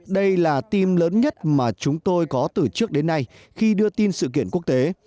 đây là team lớn nhất mà chúng tôi có từ trước đến nay khi đưa tin sự kiện quốc tế